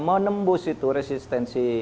menembus itu resistensi